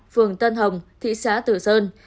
phường tân hồng thị xã tử sơn